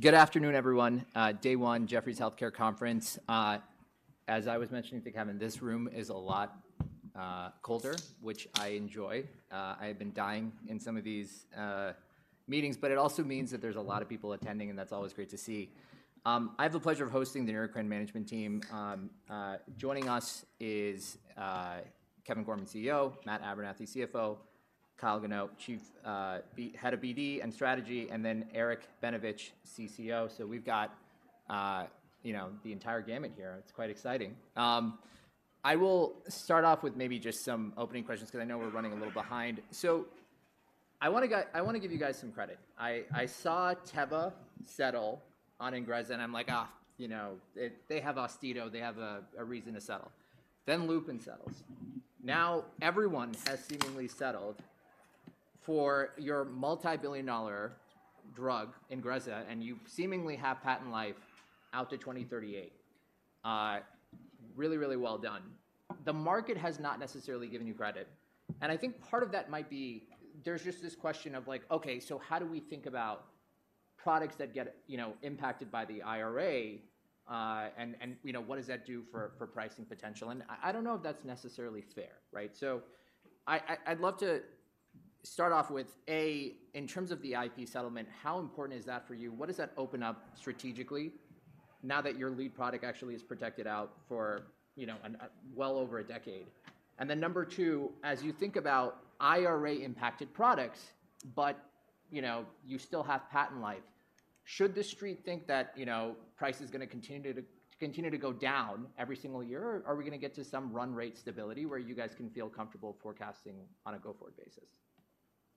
Good afternoon, everyone. Day one, Jefferies Healthcare Conference. As I was mentioning to Kevin, this room is a lot colder, which I enjoy. I have been dying in some of these meetings. But it also means that there's a lot of people attending, and that's always great to see. I have the pleasure of hosting the Neurocrine management team. Joining us is Kevin Gorman, CEO; Matt Abernethy, CFO; Kyle Gano, Chief Head of BD and Strategy; and then Eric Benevich, CCO. So we've got you know, the entire gamut here. It's quite exciting. I will start off with maybe just some opening questions 'cause I know we're running a little behind. So I wanna I wanna give you guys some credit. I saw Teva settle on Ingrezza, and I'm like: Ah, you know, it, they have Austedo. They have a reason to settle. Then Lupin settles. Now, everyone has seemingly settled for your multi-billion dollar drug, Ingrezza, and you seemingly have patent life out to 2038. Really, really well done. The market has not necessarily given you credit, and I think part of that might be, there's just this question of, like: Okay, so how do we think about products that get, you know, impacted by the IRA, and, you know, what does that do for pricing potential? And I'd love to start off with, A, in terms of the IP settlement, how important is that for you? What does that open up strategically now that your lead product actually is protected out for, you know, and well over a decade? And then, number two, as you think about IRA-impacted products, but, you know, you still have patent life, should the Street think that, you know, price is gonna continue to go down every single year? Or are we gonna get to some run rate stability, where you guys can feel comfortable forecasting on a go-forward basis?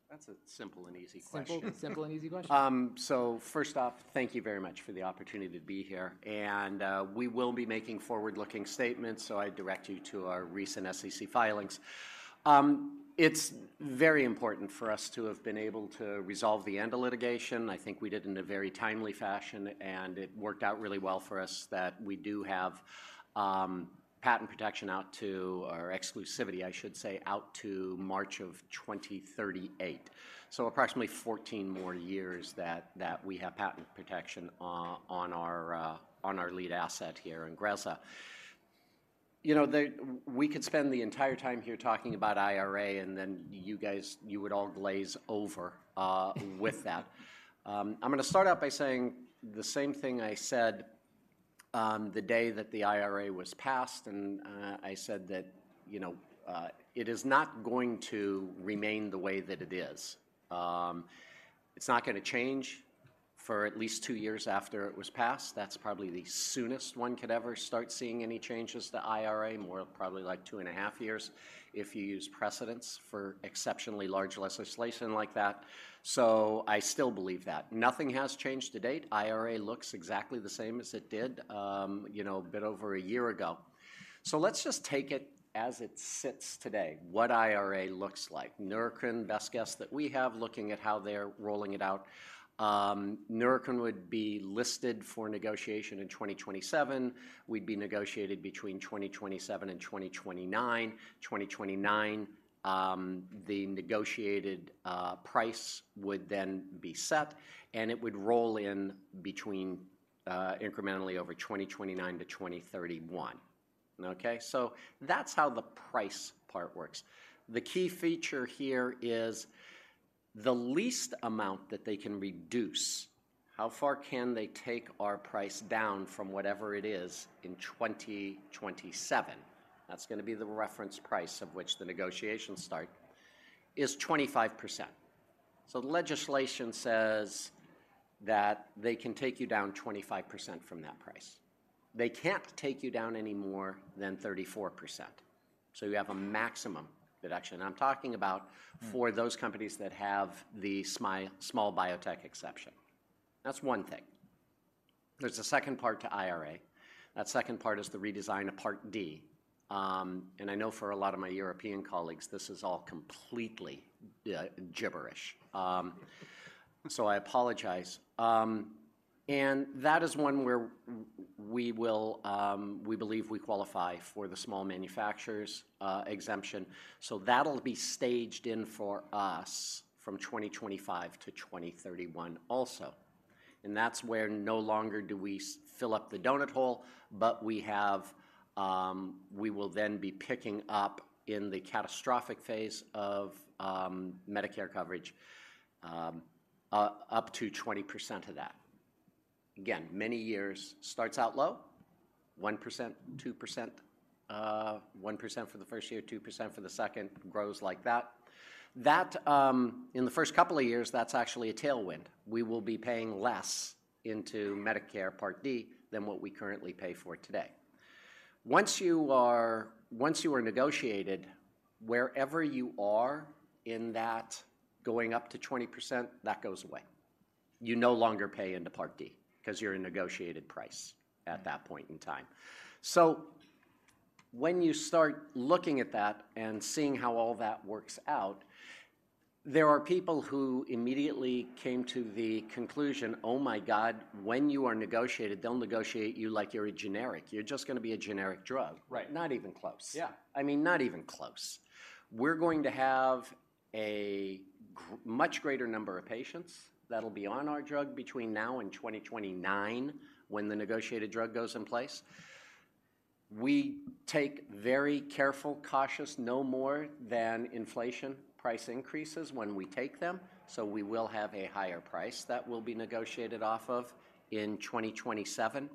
That's a simple and easy question. Simple, simple and easy question. So first off, thank you very much for the opportunity to be here, and we will be making forward-looking statements, so I direct you to our recent SEC filings. It's very important for us to have been able to resolve the ANDA litigation. I think we did it in a very timely fashion, and it worked out really well for us that we do have patent protection out to... or exclusivity, I should say, out to March of 2038. So approximately 14 more years that we have patent protection on our lead asset here, Ingrezza. You know, we could spend the entire time here talking about IRA, and then you guys, you would all glaze over with that. I'm gonna start out by saying the same thing I said, the day that the IRA was passed, and I said that, you know, it is not going to remain the way that it is. It's not gonna change for at least two years after it was passed. That's probably the soonest one could ever start seeing any changes to IRA, more probably like 2.5 years, if you use precedents for exceptionally large legislation like that. So I still believe that. Nothing has changed to date. IRA looks exactly the same as it did, you know, a bit over a year ago. So let's just take it as it sits today, what IRA looks like. Neurocrine, best guess that we have, looking at how they're rolling it out, Neurocrine would be listed for negotiation in 2027. We'd be negotiated between 2027 and 2029. 2029, the negotiated price would then be set, and it would roll in between incrementally over 2029 to 2031. Okay? So that's how the price part works. The key feature here is the least amount that they can reduce, how far can they take our price down from whatever it is in 2027, that's gonna be the reference price of which the negotiations start, is 25%. So the legislation says that they can take you down 25% from that price. They can't take you down any more than 34%, so you have a maximum deduction. And I'm talking about... for those companies that have the small biotech exception. That's one thing. There's a second part to IRA. That second part is the redesign of Part D. And I know for a lot of my European colleagues, this is all completely gibberish. So I apologize. And that is one where we will. We believe we qualify for the small manufacturers exemption, so that'll be staged in for us from 2025-2031 also. And that's where no longer do we fill up the donut hole, but we will then be picking up, in the catastrophic phase of Medicare coverage, up to 20% of that. Again, many years, starts out low, 1%, 2%. 1% for the first year, 2% for the second, grows like that. That, in the first couple of years, that's actually a tailwind. We will be paying less into Medicare Part D than what we currently pay for today. Once you are negotiated, wherever you are in that going up to 20%, that goes away. You no longer pay into Part D, 'cause you're a negotiated price at that point in time. So when you start looking at that and seeing how all that works out, there are people who immediately came to the conclusion: "Oh, my god, when you are negotiated, they'll negotiate you like you're a generic. You're just gonna be a generic drug. Right. Not even close. Yeah. I mean, not even close. We're going to have a much greater number of patients that'll be on our drug between now and 2029, when the negotiated drug goes in place. We take very careful, cautious, no more than inflation price increases when we take them, so we will have a higher price that will be negotiated off of in 2027.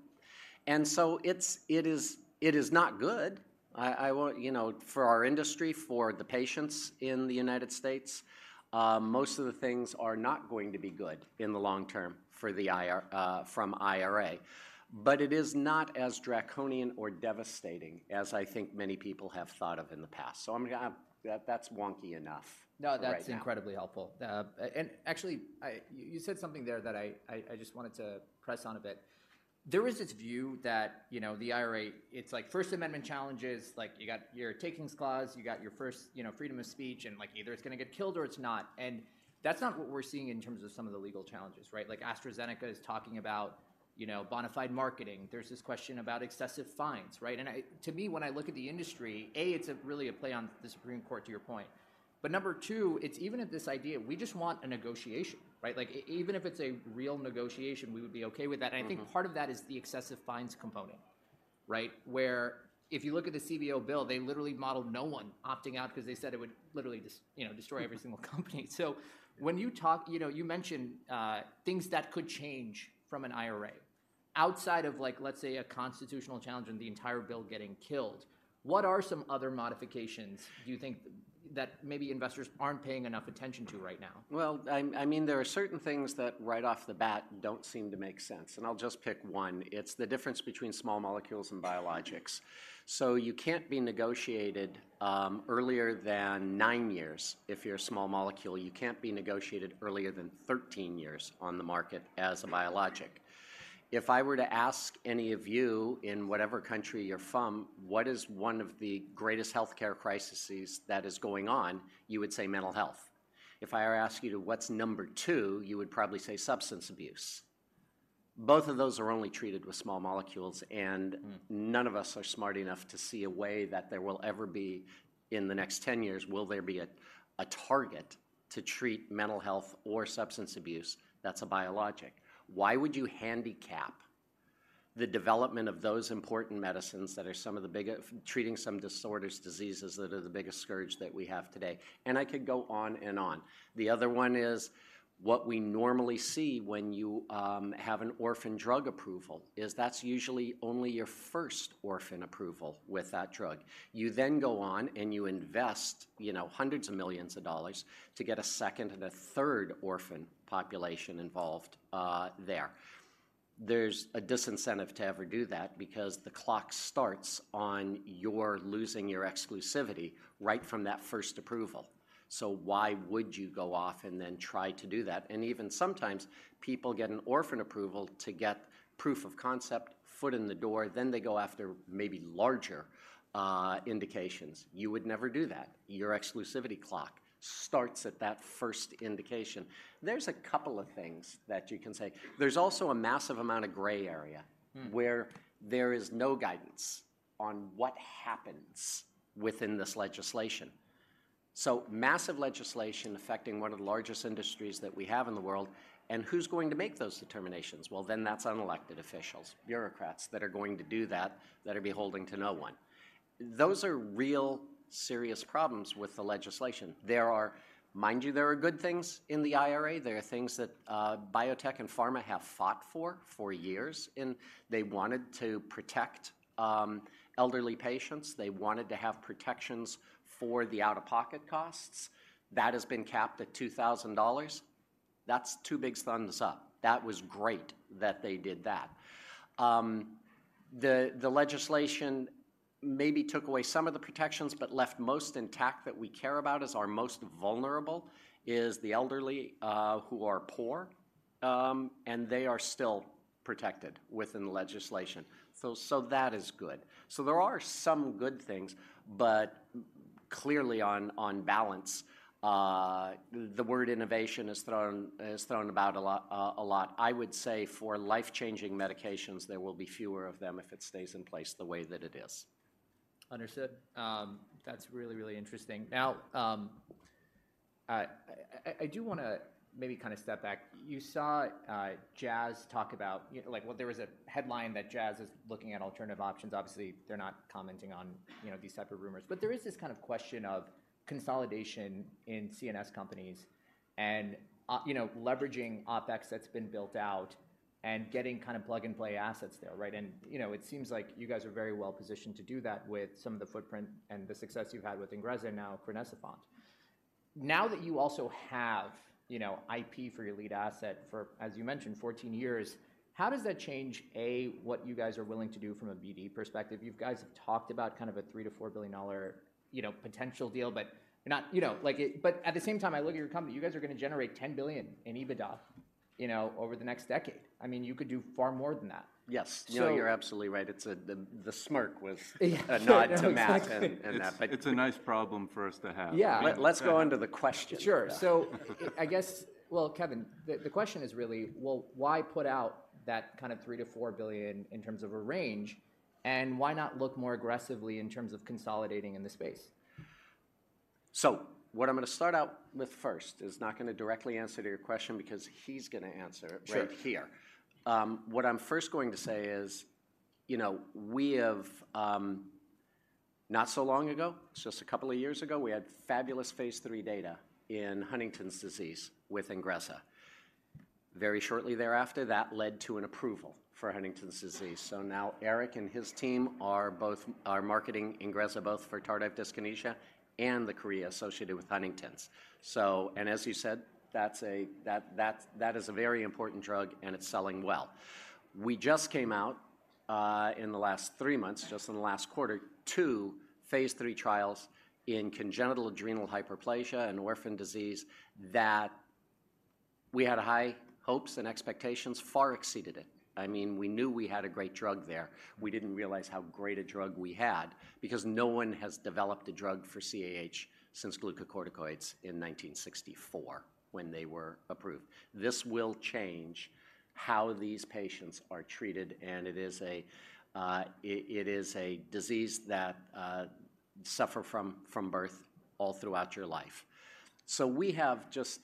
And so it's, it is, it is not good. I, I want, you know, for our industry, for the patients in the United States, most of the things are not going to be good in the long term for the IRA from IRA. But it is not as draconian or devastating as I think many people have thought of in the past. So I'm gonna, that's wonky enough for right now. No, that's incredibly helpful. And actually, I you said something there that I just wanted to press on a bit. There is this view that, you know, the IRA, it's like First Amendment challenges, like you got your Takings Clause, you got your first, you know, freedom of speech, and like either it's gonna get killed or it's not. And that's not what we're seeing in terms of some of the legal challenges, right? Like AstraZeneca is talking about, you know, bona fide marketing. There's this question about excessive fines, right? And I to me, when I look at the industry, A, it's a really a play on the Supreme Court, to your point. But number two, it's even if this idea, we just want a negotiation, right? Like even if it's a real negotiation, we would be okay with th And I think part of that is the excessive fines component, right? Where if you look at the CBO bill, they literally modeled no one opting out 'cause they said it would literally just, you know, destroy every single company. So when you talk... You know, you mentioned, things that could change from an IRA. Outside of like, let's say, a constitutional challenge and the entire bill getting killed, what are some other modifications do you think that maybe investors aren't paying enough attention to right now? Well, I mean, there are certain things that right off the bat don't seem to make sense, and I'll just pick one. It's the difference between small molecules and biologics. So you can't be negotiated earlier than nine years if you're a small molecule. You can't be negotiated earlier than 13 years on the market as a biologic. If I were to ask any of you, in whatever country you're from, what is one of the greatest healthcare crises that is going on? You would say mental health. If I were to ask you what's number two, you would probably say substance abuse. Both of those are only treated with small molecules, and... none of us are smart enough to see a way that there will ever be, in the next 10 years, will there be a target to treat mental health or substance abuse that's a biologic. Why would you handicap the development of those important medicines that are some of the biggest—treating some disorders, diseases that are the biggest scourge that we have today? And I could go on and on. The other one is, what we normally see when you have an Orphan Drug approval, is that's usually only your first Orphan Drug approval with that drug. You then go on, and you invest, you know, hundreds of millions to get a second and a third orphan population involved there. There's a disincentive to ever do that because the clock starts on your losing your exclusivity right from that first approval. Why would you go off and then try to do that? Even sometimes, people get an orphan approval to get proof of concept, foot in the door, then they go after maybe larger indications. You would never do that. Your exclusivity clock starts at that first indication. There's a couple of things that you can say. There's also a massive amount of gray area where there is no guidance on what happens within this legislation. So massive legislation affecting one of the largest industries that we have in the world, and who's going to make those determinations? Well, then that's unelected officials, bureaucrats, that are beholden to no one. Those are real serious problems with the legislation. There are, mind you, there are good things in the IRA. There are things that, biotech and pharma have fought for, for years, and they wanted to protect, elderly patients. They wanted to have protections for the out-of-pocket costs. That has been capped at $2,000. That's two big thumbs up. That was great that they did that. The legislation maybe took away some of the protections, but left most intact that we care about as our most vulnerable, is the elderly, who are poor, and they are still protected within the legislation. That is good. There are some good things, but clearly on balance, the word innovation is thrown about a lot. I would say, for life-changing medications, there will be fewer of them if it stays in place the way that it is. Understood. That's really, really interesting. Now, I do wanna maybe kinda step back. You saw, Jazz talk about, you know, like well, there was a headline that Jazz is looking at alternative options. Obviously, they're not commenting on, you know, these type of rumors. But there is this kind of question of consolidation in CNS companies and, you know, leveraging OpEx that's been built out and getting kind of plug-and-play assets there, right? And, you know, it seems like you guys are very well positioned to do that with some of the footprint and the success you've had with Ingrezza and now crinecerfont. Now that you also have, you know, IP for your lead asset for, as you mentioned, 14 years, how does that change, A, what you guys are willing to do from a BD perspective? You've guys have talked about kind of a $3 billion-$4 billion, you know, potential deal, but at the same time, I look at your company, you guys are gonna generate $10 billion in EBITDA, you know, over the next decade. I mean, you could do far more than that. Yes. So- No, you're absolutely right. It's the smirk was- Yeah, exactly... a nod to Matt, but- It's a nice problem for us to have. Yeah. Let's go on to the question. Sure. So, I guess, well, Kevin, the question is really, well, why put out that kind of $3 billion-$4 billion in terms of a range, and why not look more aggressively in terms of consolidating in the space? So what I'm gonna start out with first is not gonna directly answer to your question, because he's gonna answer it- Right here. What I'm first going to say is, you know, we have, not so long ago, just a couple of years ago, we had fabulous phase III data in Huntington's disease with Ingrezza. Very shortly thereafter, that led to an approval for Huntington's disease. So now Eric and his team are both are marketing Ingrezza, both for tardive dyskinesia and the chorea associated with Huntington's. So, and as you said, that's a very important drug, and it's selling well. We just came out, in the last three months, just in the last quarter, two phase III trials in congenital adrenal hyperplasia, an orphan disease, that we had high hopes and expectations, far exceeded it. I mean, we knew we had a great drug there. We didn't realize how great a drug we had because no one has developed a drug for CAH since glucocorticoids in 1964, when they were approved. This will change how these patients are treated, and it is a disease that suffer from from birth all throughout your life. So we have just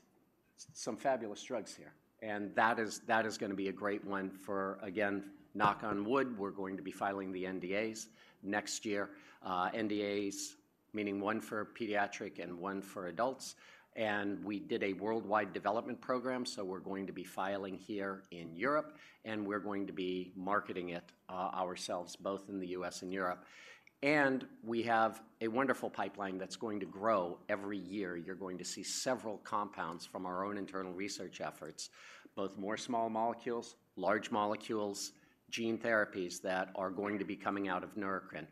some fabulous drugs here, and that is gonna be a great one for, again, knock on wood, we're going to be filing the NDAs next year. NDAs, meaning one for pediatric and one for adults, and we did a worldwide development program, so we're going to be filing here in Europe, and we're going to be marketing it ourselves, both in the U.S. and Europe. And we have a wonderful pipeline that's going to grow every year. You're going to see several compounds from our own internal research efforts, both more small molecules, large molecules, gene therapies that are going to be coming out of Neurocrine.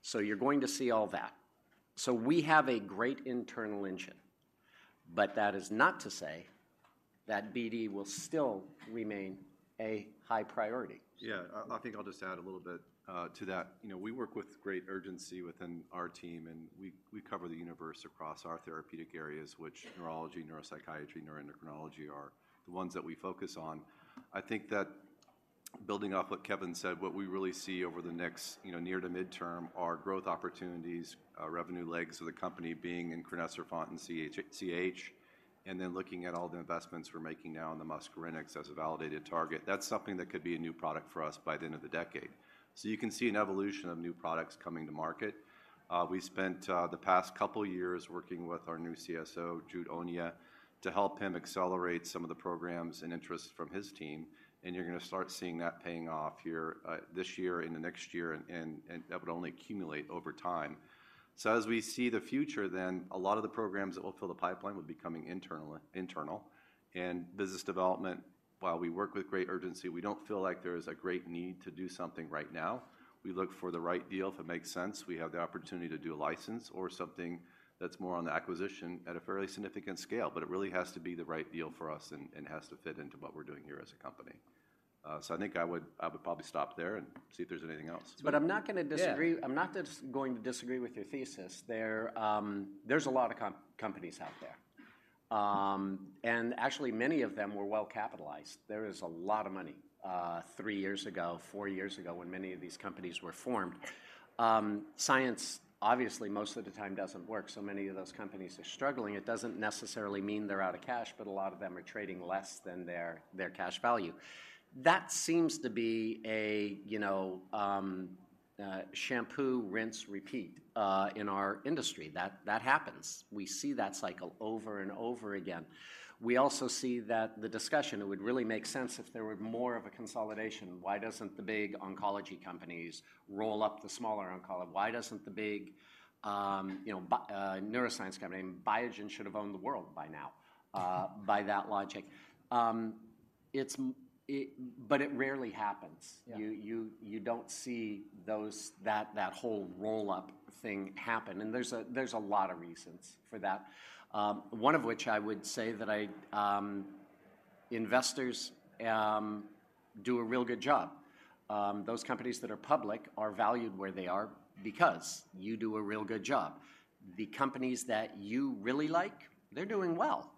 So you're going to see all that. So we have a great internal engine, but that is not to say that BD will still remain a high priority. Yeah, I think I'll just add a little bit to that. You know, we work with great urgency within our team, and we cover the universe across our therapeutic areas, which neurology, neuropsychiatry, neuroendocrinology are the ones that we focus on. I think that building off what Kevin said, what we really see over the next, you know, near to midterm, are growth opportunities, revenue legs of the company being in crinecerfont and CAH, and then looking at all the investments we're making now in the muscarinic as a validated target. That's something that could be a new product for us by the end of the decade. So you can see an evolution of new products coming to market. We spent the past couple years working with our new CSO, Jude Onyia, to help him accelerate some of the programs and interests from his team, and you're gonna start seeing that paying off here this year, in the next year, and that would only accumulate over time. So as we see the future, then a lot of the programs that will fill the pipeline will be coming internally. And business development, while we work with great urgency, we don't feel like there is a great need to do something right now. We look for the right deal. If it makes sense, we have the opportunity to do a license or something that's more on the acquisition at a fairly significant scale, but it really has to be the right deal for us and has to fit into what we're doing here as a company. So I think I would probably stop there and see if there's anything else. But I'm not gonna disagree- Yeah. I'm not just going to disagree with your thesis there. There's a lot of companies out there. Actually, many of them were well-capitalized. There is a lot of money, three years ago, four years ago, when many of these companies were formed. Science, obviously, most of the time doesn't work, so many of those companies are struggling. It doesn't necessarily mean they're out of cash, but a lot of them are trading less than their, their cash value. That seems to be a, you know, shampoo, rinse, repeat, in our industry. That, that happens. We see that cycle over and over again. We also see that the discussion, it would really make sense if there were more of a consolidation. Why doesn't the big oncology companies roll up the smaller oncology? Why doesn't the big, you know, neuroscience company, Biogen, should have owned the world by now, by that logic. It's, but it rarely happens. Yeah. You don't see that whole roll-up thing happen, and there's a lot of reasons for that. One of which I would say that investors do a real good job. Those companies that are public are valued where they are because you do a real good job. The companies that you really like, they're doing well.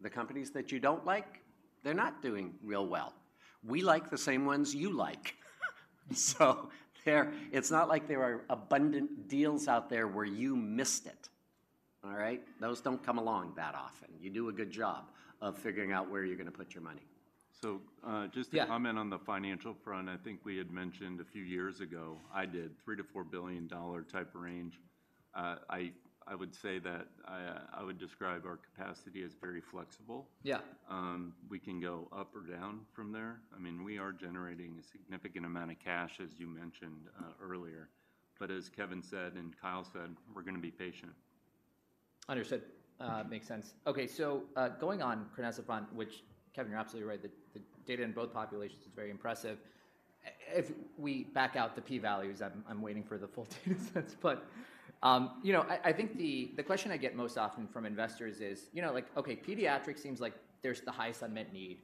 The companies that you don't like, they're not doing real well. We like the same ones you like. So there, it's not like there are abundant deals out there where you missed it. All right? Those don't come along that often. You do a good job of figuring out where you're gonna put your money. So, just- Yeah... to comment on the financial front, I think we had mentioned a few years ago, I did $3 billion-$4 billion type of range. I would say that I would describe our capacity as very flexible. Yeah. We can go up or down from there. I mean, we are generating a significant amount of cash, as you mentioned, earlier. But as Kevin said and Kyle said, we're gonna be patient. Understood. Makes sense. Okay, so, going on crinecerfont, which, Kevin, you're absolutely right, the data in both populations is very impressive. If we back out the P values, I'm waiting for the full data sets. But, you know, I think the question I get most often from investors is, you know, like, okay, pediatric seems like there's the highest unmet need.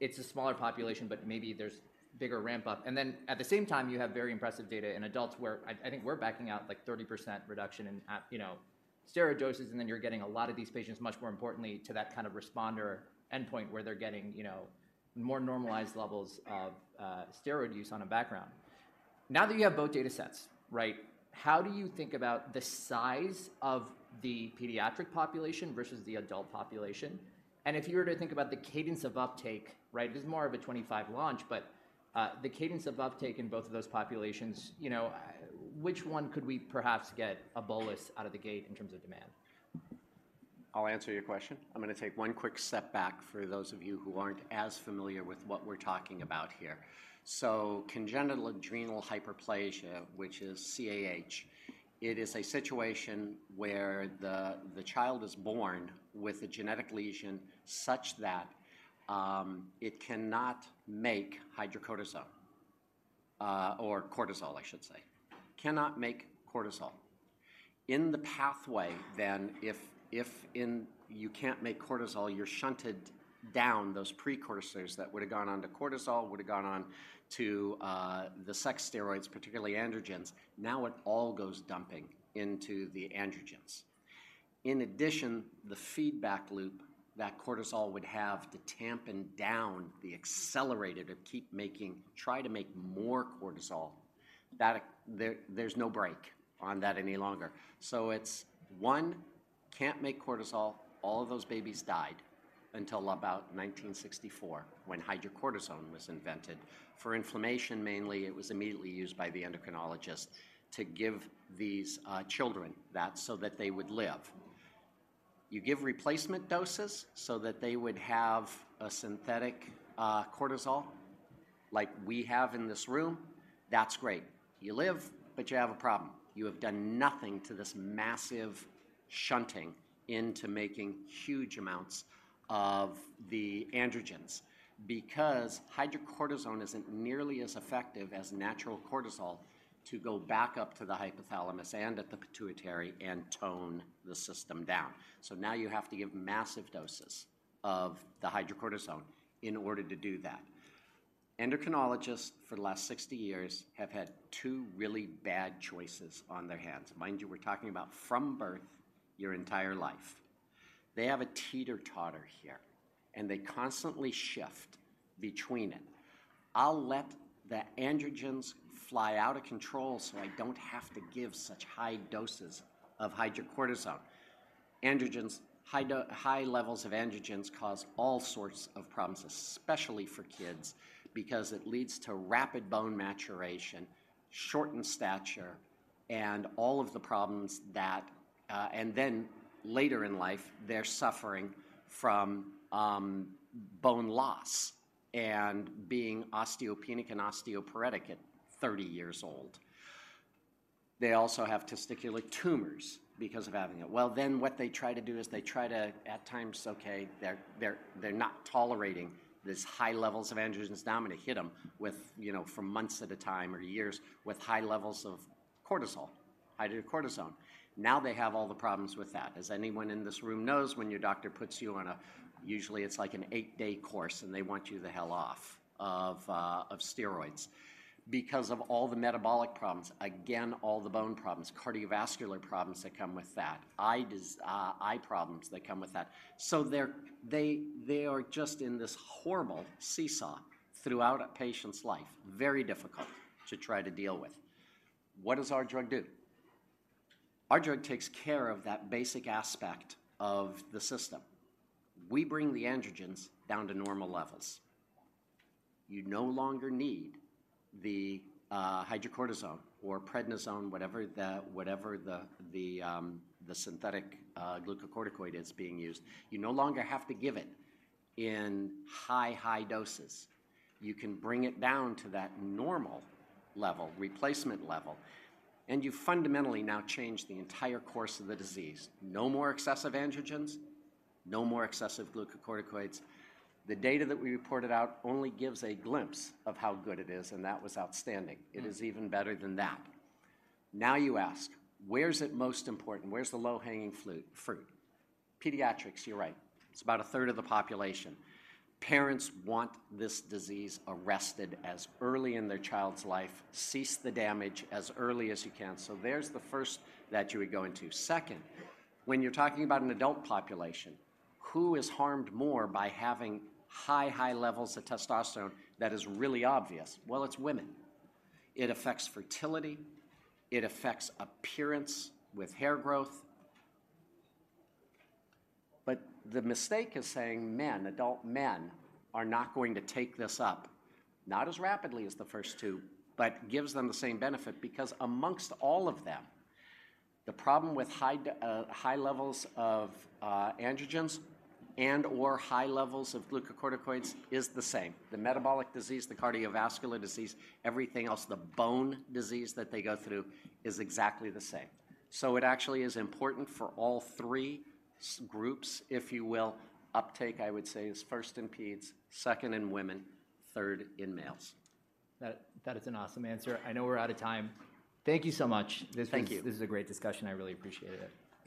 It's a smaller population, but maybe there's bigger ramp-up, and then at the same time, you have very impressive data in adults, where I think we're backing out, like, 30% reduction in at, you know, steroid doses, and then you're getting a lot of these patients, much more importantly, to that kind of responder endpoint, where they're getting, you know, more normalized levels of, steroid use on a background. Now that you have both data sets, right? How do you think about the size of the pediatric population versus the adult population? And if you were to think about the cadence of uptake, right, this is more of a 2025 launch, but, the cadence of uptake in both of those populations, you know, which one could we perhaps get a bolus out of the gate in terms of demand? I'll answer your question. I'm gonna take one quick step back for those of you who aren't as familiar with what we're talking about here. So congenital adrenal hyperplasia, which is CAH, it is a situation where the child is born with a genetic lesion such that it cannot make hydrocortisone or cortisol, I should say. Cannot make cortisol. In the pathway then, if you can't make cortisol, you're shunted down those precursors that would have gone on to cortisol, would have gone on to the sex steroids, particularly androgens. Now it all goes dumping into the androgens. In addition, the feedback loop that cortisol would have to tamp down the accelerated, it keeps making try to make more cortisol, that there's no brake on that any longer. So it's one, can't make cortisol. All of those babies died until about 1964, when hydrocortisone was invented. For inflammation, mainly, it was immediately used by the endocrinologist to give these children that so that they would live. You give replacement doses so that they would have a synthetic cortisol like we have in this room, that's great. You live, but you have a problem. You have done nothing to this massive shunting into making huge amounts of the androgens, because hydrocortisone isn't nearly as effective as natural cortisol to go back up to the hypothalamus and at the pituitary and tone the system down. So now you have to give massive doses of the hydrocortisone in order to do that. Endocrinologists, for the last 60 years, have had two really bad choices on their hands. Mind you, we're talking about from birth, your entire life. They have a teeter-totter here, and they constantly shift between it. "I'll let the androgens fly out of control, so I don't have to give such high doses of hydrocortisone." Androgens, high levels of androgens cause all sorts of problems, especially for kids, because it leads to rapid bone maturation, shortened stature, and all of the problems that... And then later in life, they're suffering from bone loss and being osteopenic and osteoporotic at 30 years old. They also have testicular tumors because of having it. Well, then, what they try to do is they try to, at times, okay, they're not tolerating these high levels of androgens. Now I'm going to hit them with, you know, for months at a time or years, with high levels of cortisol, hydrocortisone. Now they have all the problems with that. As anyone in this room knows, when your doctor puts you on a usually, it's like an eight-day course, and they want you the hell off of steroids because of all the metabolic problems, again, all the bone problems, cardiovascular problems that come with that, eye problems that come with that. So they are just in this horrible seesaw throughout a patient's life, very difficult to try to deal with. What does our drug do? Our drug takes care of that basic aspect of the system. We bring the androgens down to normal levels. You no longer need the hydrocortisone or prednisone, whatever the synthetic glucocorticoid is being used. You no longer have to give it in high, high doses. You can bring it down to that normal level, replacement level, and you fundamentally now change the entire course of the disease. No more excessive androgens, no more excessive glucocorticoids. The data that we reported out only gives a glimpse of how good it is, and that was outstanding. It is even better than that. Now you ask, where's it most important? Where's the low-hanging fruit? Pediatrics, you're right. It's about a third of the population. Parents want this disease arrested as early in their child's life, cease the damage as early as you can. So there's the first that you would go into. Second, when you're talking about an adult population, who is harmed more by having high, high levels of testosterone, that is really obvious? Well, it's women. It affects fertility, it affects appearance with hair growth. But the mistake is saying men, adult men, are not going to take this up, not as rapidly as the first two, but gives them the same benefit because amongst all of them, the problem with high levels of androgens and/or high levels of glucocorticoids is the same. The metabolic disease, the cardiovascular disease, everything else, the bone disease that they go through is exactly the same. So it actually is important for all three groups, if you will. Uptake, I would say, is first in pedes, second in women, third in males. That is an awesome answer. I know we're out of time. Thank you so much. Thank you. This is a great discussion. I really appreciate it.